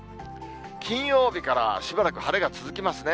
金曜日からしばらく晴れが続きますね。